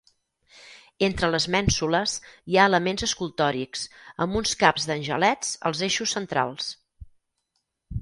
Entre les mènsules hi ha elements escultòrics, amb uns caps d'angelets als eixos centrals.